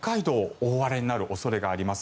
大荒れになる恐れがあります。